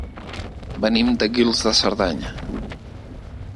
Venim de Guils de Cerdanya.